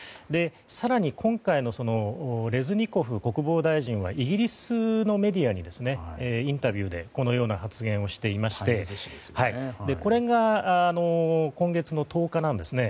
更に今回のレズニコフ国防大臣はイギリスのメディアのインタビューでこのような発言をしていましてこれが今月の１０日なんですね。